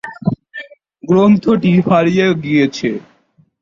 গ্রন্থটি হারিয়ে গিয়েছে।